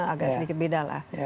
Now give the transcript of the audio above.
agak sedikit beda